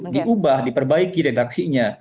diubah diperbaiki redaksinya